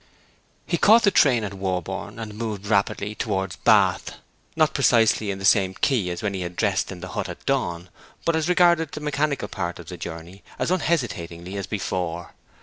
He caught the train at Warborne, and moved rapidly towards Bath; not precisely in the same key as when he had dressed in the hut at dawn, but, as regarded the mechanical part of the journey, as unhesitatingly as before.